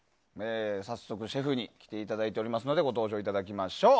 早速シェフに来ていただいてますのでご登場いただきましょう。